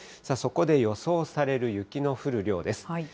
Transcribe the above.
そこで予想される雪の降る量です。